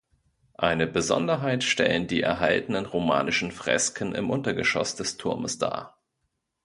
Eine Besonderheit stellen die erhaltenen romanischen Fresken im Untergeschoss des Turmes dar.